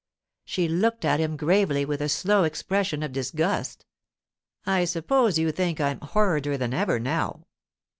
She looked at him gravely, with a slow expression of disgust. 'I suppose you think I'm horrider than ever now?